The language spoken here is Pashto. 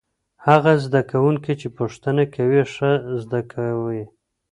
هغه زده کوونکي چې پوښتنه کوي ښه زده کوي.